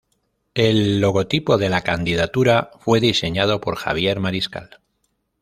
El logotipo de la candidatura fue diseñado por Javier Mariscal.